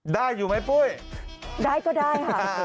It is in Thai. อยู่ไหมปุ้ยได้ก็ได้ค่ะ